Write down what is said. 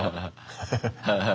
ハハハハ。